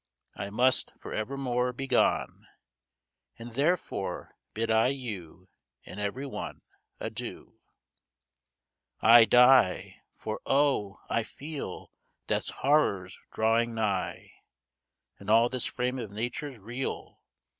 I must, for evermore, be gone; And therefore bid I you, And every one, Adieu! I die! For, oh! I feel Death's horrors drawing nigh, And all this frame of nature reel.